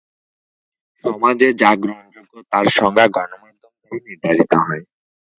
সমাজে যা গ্রহণযোগ্য তার সংজ্ঞা গণমাধ্যম দ্বারা নির্ধারিত হয়।